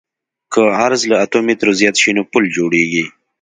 که عرض له اتو مترو زیات شي نو پل جوړیږي